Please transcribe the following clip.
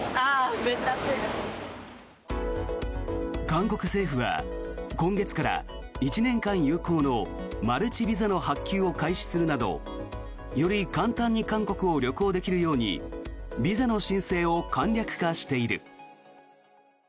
韓国政府は今月から１年間有効のマルチビザの発給を開始するなどより簡単に韓国を旅行できるようにビザの申請を簡略化している。